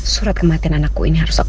surat kematian anakku ini harus aku musnahkan